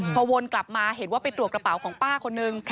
พอวนกลับมาเห็นว่าไปตรวจกระเป๋าของป้าคนนึง